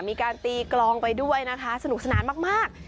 มีการตีกลองไปด้วยนะคะสนุกสนานมาก